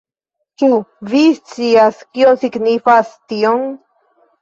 Ĉu vi scias kio signifas tion?